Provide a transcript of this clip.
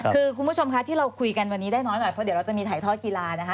คือคุณผู้ชมคะที่เราคุยกันวันนี้ได้น้อยหน่อยเพราะเดี๋ยวเราจะมีถ่ายทอดกีฬานะคะ